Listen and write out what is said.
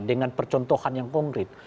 dengan percontohan yang konkret